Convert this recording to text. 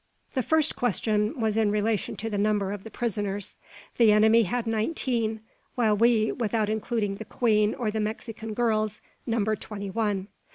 The first question was in relation to the number of the prisoners. The enemy had nineteen, while we, without including the queen or the Mexican girls, numbered twenty one.